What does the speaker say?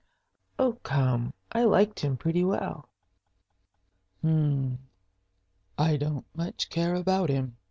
"Oh, come I liked him pretty well." "Hm I don't much care about him.